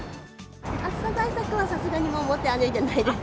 暑さ対策はさすがにもう、持って歩いてないです。